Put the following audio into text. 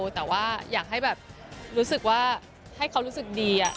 แต่ว่าอยากให้แบบรู้สึกว่าให้เขารู้สึกดี